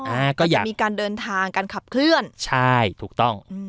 อ่าก็อยากจะมีการเดินทางการขับเคลื่อนใช่ถูกต้องอืม